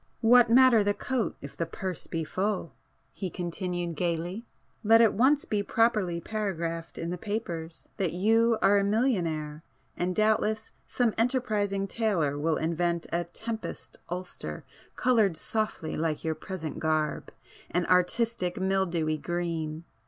"What matter the coat if the purse be full!" he continued gaily.—"Let it once be properly paragraphed in the papers that you are a millionaire, and doubtless some enterprising tailor will invent a 'Tempest' ulster coloured softly like your present garb, an artistic mildewy green!